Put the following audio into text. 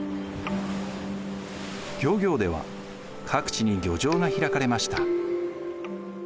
漁業では各地に漁場が開かれました。